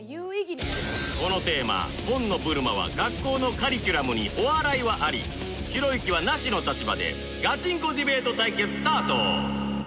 このテーマ紺野ぶるまは学校のカリキュラムにお笑いはありひろゆきはなしの立場でガチンコディベート対決スタート